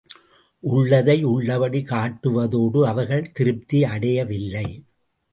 உள்ளதை உள்ளபடி காட்டுவதோடு அவர்கள் திருப்தி அடையவில்லை.